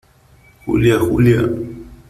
Julia , Julia .